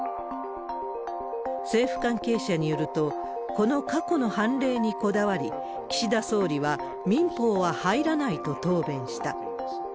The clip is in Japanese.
政府関係者によると、この過去の判例にこだわり、岸田総理は、民法は入らないと答弁した。